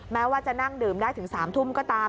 แม้ว่าจะนั่งดื่มได้ถึง๓ทุ่มก็ตาม